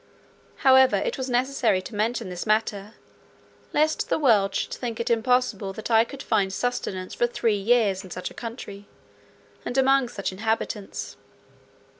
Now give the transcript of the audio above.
However, it was necessary to mention this matter, lest the world should think it impossible that I could find sustenance for three years in such a country, and among such inhabitants.